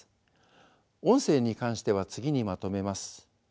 音声に関しては次にまとめます。